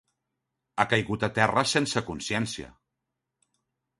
Ha caigut a terra sense consciència.